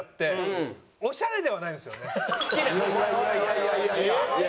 いやいやいやいや！